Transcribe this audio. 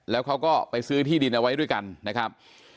แล้วเขาก็ไปซื้อที่ดินเอาไว้ด้วยกันนะครับ